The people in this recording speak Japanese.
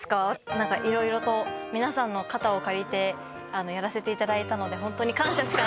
なんか色々と皆さんの肩を借りてやらせて頂いたのでホントに感謝しか。